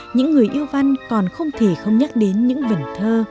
những người yêu văn còn không thể không nhắc đến những vần thơ